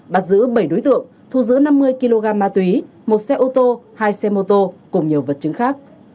bắt giữ bảy đối tượng thu giữ năm mươi kg ma túy một xe ô tô hai xe mô tô cùng nhiều vật chứng khác